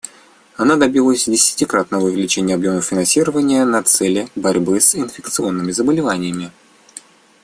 Она добилась десятикратного увеличения объемов финансирования на цели борьбы с инфекционными заболеваниями.